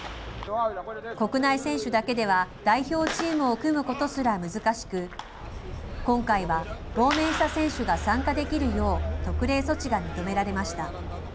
国内選手だけでは代表チームを組むことすら難しく、今回は亡命した選手が参加できるよう特例措置が認められました。